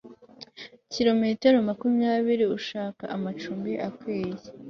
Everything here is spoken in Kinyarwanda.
kilometero makumyabiri ushaka amacumbi akwiye